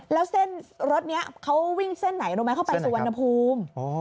แล้วรถนี้เขาวิ่งเส้นไหนมั้ยเข้าไปสู่วัณฑูม